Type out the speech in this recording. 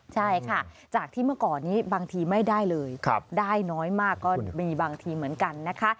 ใช่ค่ะจากที่เมื่อก่อนนี้บางทีไม่ได้เลยได้น้อยมากก็มีบางทีเหมือนกันนะคะ